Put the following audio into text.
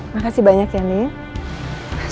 makasih banyak ya nina